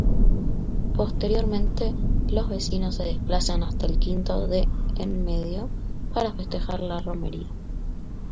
Posteriormente, los vecinos se desplazan hasta el Quinto de Enmedio para festejar la romería.